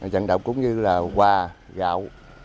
dẫn động cũng như là hoa gạo